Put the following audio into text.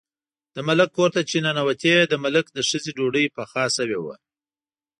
د ملک کور ته چې ننوتې، د ملک د ښځې ډوډۍ پخه شوې وه.